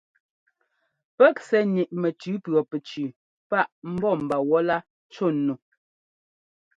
Pɛ́k sɛ́ ńniꞌ mɛtʉ pʉɔpɛcu páꞌ ḿbɔ́ mba wɔ̌lá cú nu.